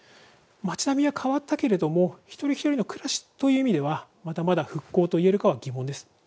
町並みは変わったけれども一人一人の暮らしという意味ではまだまだ復興といえるかは疑問です。